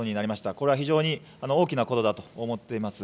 これは非常に大きなことだと思っています。